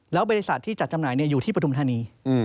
แล้วบริษัทที่จัดจำหน่ายอยู่ที่ปฐุมธานี